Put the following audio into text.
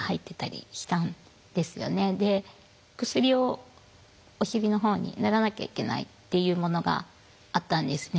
薬をお尻のほうに塗らなきゃいけないっていうものがあったんですね。